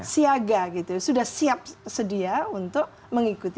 siaga gitu sudah siap sedia untuk mengikuti